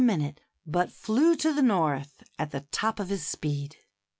minute, but flew to the North at the top of his speed.